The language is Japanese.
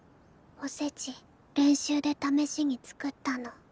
おせち練習で試しに作ったの。